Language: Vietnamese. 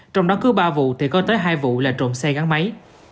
trong đó cứ ba vụ thì có tới hai vụ là trộm xe gắn máy